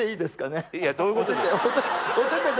いやどういうことですか？